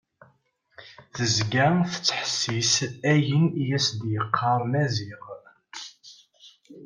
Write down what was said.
Tezga tettḥessis ayen i as-d-yeqqar Maziɣ.